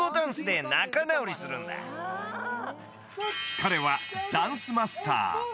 彼はダンスマスター。